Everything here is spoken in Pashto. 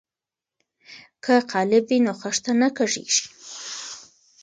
که قالب وي نو خښته نه کږیږي.